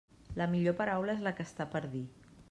La millor paraula és la que està per dir.